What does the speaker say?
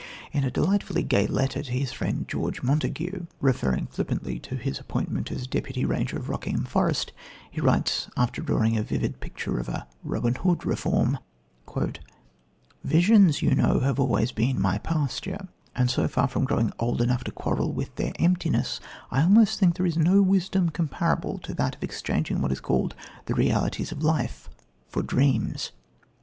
In a delightfully gay letter to his friend, George Montagu, referring flippantly to his appointment as Deputy Ranger of Rockingham Forest, he writes, after drawing a vivid picture of a "Robin Hood reformé": "Visions, you know, have always been my pasture; and so far from growing old enough to quarrel with their emptiness, I almost think there is no wisdom comparable to that of exchanging what is called the realities of life for dreams.